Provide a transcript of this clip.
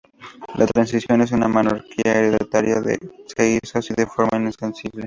La transición a una monarquía hereditaria se hizo así de forma insensible.